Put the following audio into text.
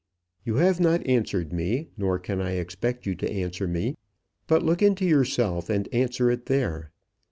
You have not answered me, nor can I expect you to answer me; but look into yourself and answer it there.